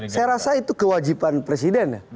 saya rasa itu kewajiban presiden ya